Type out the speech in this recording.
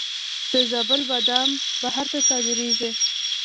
د زابل بادام بهر ته صادریږي.